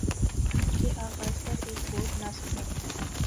کے آغاز پر ایک بورڈ نصب ہے